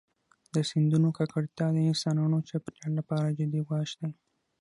د سیندونو ککړتیا د انسانانو او چاپېریال لپاره جدي ګواښ دی.